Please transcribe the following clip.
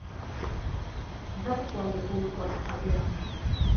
Igarriko al du publikoak aldea?